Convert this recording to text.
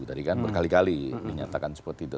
tadi kan berkali kali dinyatakan seperti itu